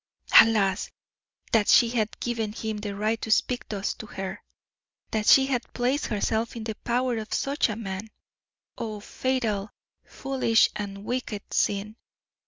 Alas! that she had given him the right to speak thus to her that she had placed herself in the power of such a man! Oh! fatal, foolish, and wicked sin!